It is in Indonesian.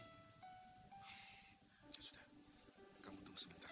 ya sudah kamu tunggu sebentar ya